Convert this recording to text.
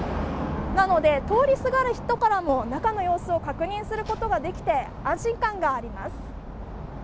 なので、通りすがる人からも中の様子を確認することができて安心感があります。